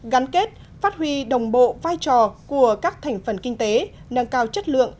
gắn kết phát huy đồng bộ vai trò của các thành phần kinh tế nâng cao chất lượng